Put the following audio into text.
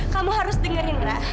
kamu harus dengerin ra